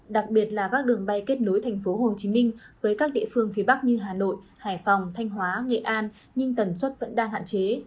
đặc biệt là các đường bay kết nối tp hcm với các địa phương phía bắc như hà nội hải phòng thanh hóa nghệ an nhưng tần suất vẫn đang hạn chế